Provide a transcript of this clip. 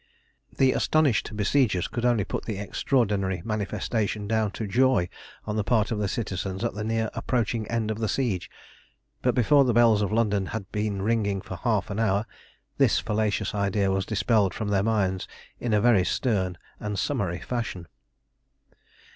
The astonished besiegers could only put the extraordinary manifestation down to joy on the part of the citizens at the near approaching end of the siege; but before the bells of London had been ringing for half an hour this fallacious idea was dispelled from their minds in a very stern and summary fashion.